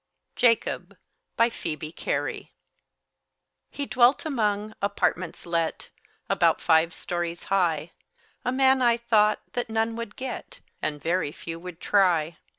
JACOB BY PHOEBE CARY He dwelt among "Apartments let," About five stories high; A man, I thought, that none would get, And very few would try.